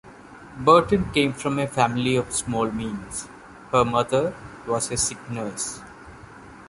Bertin came from a family of small means; her mother was a sick nurse.